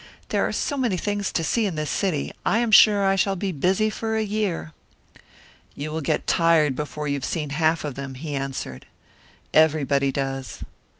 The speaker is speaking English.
"There are so many things to see in this city, I am sure I shall be busy for a year." "You will get tired before you have seen half of them," he answered. "Everybody does."